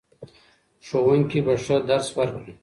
ښوونکي به ښه درس ورکړي.